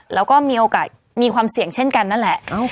แล้วก็มีโอกาสมีความเสี่ยงเช่นกันนั่นแหละ